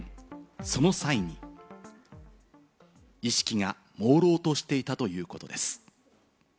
その際に意識がもうろうとしていたということです。